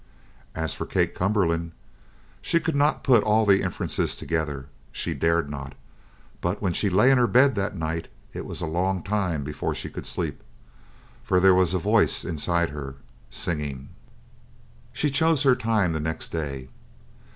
As for Kate Cumberland, she could not put all the inferences together she dared not; but when she lay in her bed that night it was a long time before she could sleep, for there was a voice inside her, singing. She chose her time the next day.